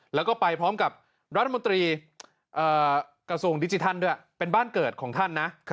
แล้วก็ไปพร้อมกับรัฐมนตรีกระทรวงดิจิทัลด้วยเป็นบ้านเกิดของท่านนะ